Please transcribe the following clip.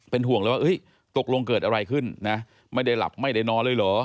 ห่วงเลยว่าตกลงเกิดอะไรขึ้นนะไม่ได้หลับไม่ได้นอนเลยเหรอ